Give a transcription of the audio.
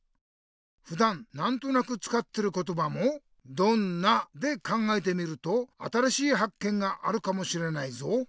ふだんなんとなくつかってることばも「どんな？」で考えてみると新しいはっけんがあるかもしれないぞ。